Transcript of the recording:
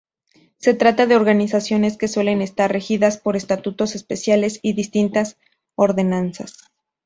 Se trata de organizaciones que suelen estar regidas por estatutos especiales y distintas ordenanzas.